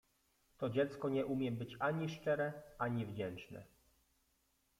To dziecko nie umie być ani szczere, ani wdzięczne.